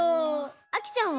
あきちゃんは？